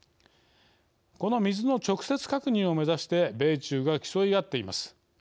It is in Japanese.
この水の直接確認を目指して米中が競い合っています。